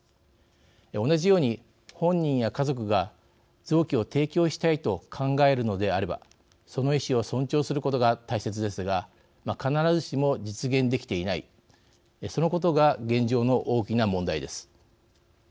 同じ様に、本人や家族が臓器を提供したいと考えるのであればその意思を尊重することが大切ですが必ずしも実現できていないそのことが現状の大きな問題です。